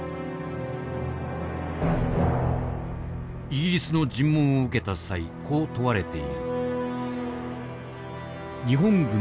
イギリスの尋問を受けた際こう問われている。